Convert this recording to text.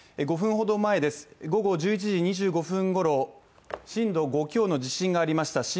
５分ほど前です、午後１１時２５分ごろ震度５強の地震がありました。